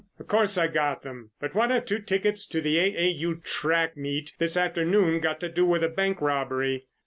"Of course I got them, but what have two tickets to the A. A. U. track meet this afternoon got to do with a bank robbery?"